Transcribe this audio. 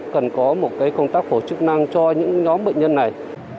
cần có một công tác phổ chức năng cho những nhóm bệnh nhân này